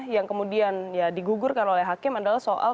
yang kemudian ya digugurkan oleh hakim adalah soal